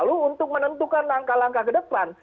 lalu untuk menentukan langkah langkah ke depan